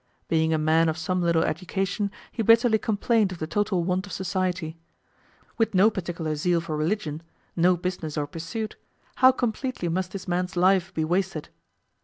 Being a man of some little education, he bitterly complained of the total want of society. With no particular zeal for religion, no business or pursuit, how completely must this man's life be wasted!